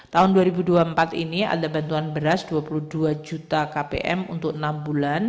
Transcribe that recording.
tahun dua ribu dua puluh empat ini ada bantuan beras dua puluh dua juta kpm untuk enam bulan